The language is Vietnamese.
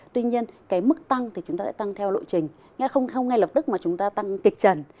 tuy nhiên cái mức tăng thì chúng ta sẽ tăng theo lộ trình hay không ngay lập tức mà chúng ta tăng kịch trần